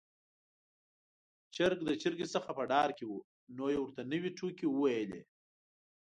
چرګ د چرګې څخه په ډار کې و، نو يې ورته نوې ټوکې وويلې.